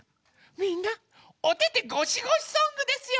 みんなおててごしごしソングですよ！